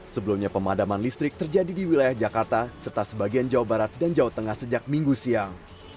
sebelumnya pemadaman listrik terjadi di wilayah jakarta serta sebagian jawa barat dan jawa tengah sejak minggu siang